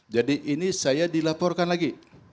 jadi ini saya dilaporkan lagi